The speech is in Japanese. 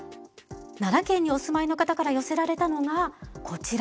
奈良県にお住まいの方から寄せられたのがこちら。